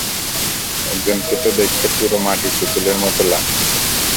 একজন কে তো দেখতে পুরো মাটির পুতুলের মত লাগছে?